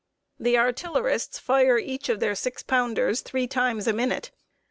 The artillerists fire each of their six pounders three times a minute.